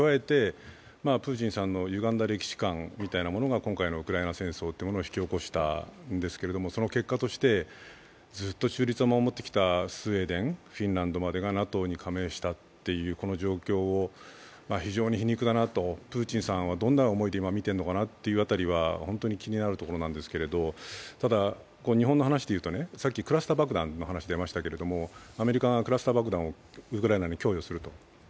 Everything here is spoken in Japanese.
プーチンさんのゆがんだ歴史観というのが今回のウクライナ侵攻を引き起こしたんですけれども、その結果としてずっと中立を守ってきたスウェーデン、フィンランドまでがＮＡＴＯに加盟したというこの状況を非常に皮肉だなと、プーチンさんは今、見てるのかなっていうのは本当に気になるところなんですけどただ、日本の話でいうと、さっきクラスター爆弾の話が出ましたけれども、アメリカがクラスター爆弾をウクライナに供与すると。